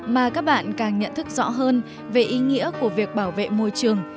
mà các bạn càng nhận thức rõ hơn về ý nghĩa của việc bảo vệ môi trường